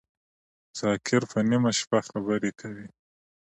ذاکر په نیمه شپه خبری کوی